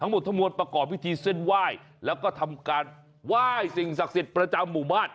ทั้งหมดทั้งมวลประกอบพิธีเส้นไหว้แล้วก็ทำการไหว้สิ่งศักดิ์สิทธิ์ประจำหมู่บ้าน